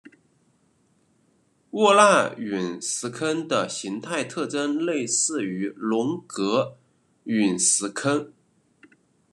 沃纳陨石坑的形态特征类似于龙格陨石坑。